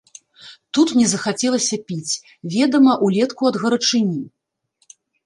Тут мне захацелася піць, ведама, улетку ад гарачыні.